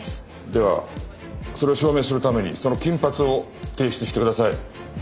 ではそれを証明するためにその金髪を提出してください。